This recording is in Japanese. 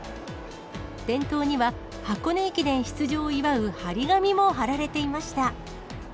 店頭には箱根駅伝出場を祝う貼り紙も貼られていました。